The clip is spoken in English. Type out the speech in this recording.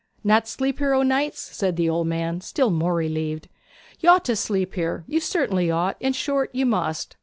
'Not sleep here o' nights?' said the old gentleman, still more relieved. 'You ought to sleep here you certainly ought; in short, you must.